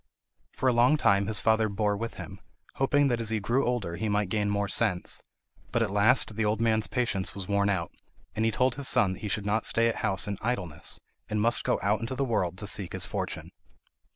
For a long time his father bore with him, hoping that as he grew older he might gain more sense; but at last the old man's patience was worn out, and he told his son that he should not stay at house in idleness, and must go out into the world to seek his fortune.